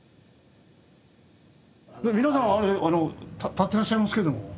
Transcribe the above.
皆さん立ってらっしゃいますけども。